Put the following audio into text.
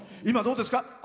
どうですか？